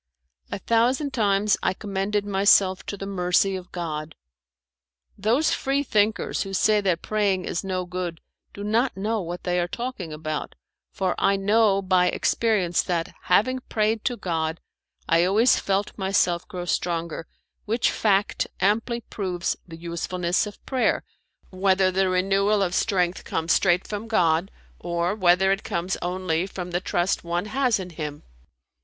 A thousand times I commended myself to the mercy of God. Those Free thinkers who say that praying is no good do not know what they are talking about; for I know by experience that, having prayed to God, I always felt myself grow stronger, which fact amply proves the usefulness of prayer, whether the renewal of strength come straight from God, or whether it comes only from the trust one has in Him.